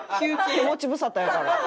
手持ち無沙汰やから。